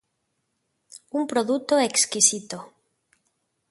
Un produto exquisito.